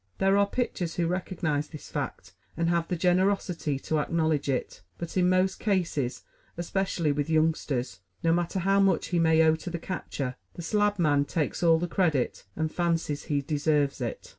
There are pitchers who recognize this fact and have the generosity to acknowledge it; but in most cases, especially with youngsters, no matter how much he may owe to the catcher, the slab man takes all the credit, and fancies he deserves it.